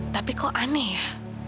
tapi kok aneh ya